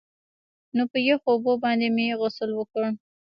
نو په يخو اوبو باندې مې غسل وکړ.